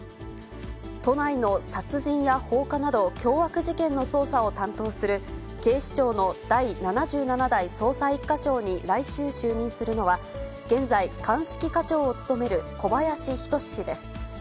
都内の殺人や放火など、凶悪事件の捜査を担当する、警視庁の第７７代捜査１課長に来週就任するのは、現在、鑑識課長を務める小林仁氏です。